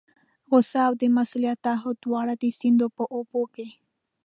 غوسه او د مسؤلیت تعهد دواړه د سیند په اوبو کې.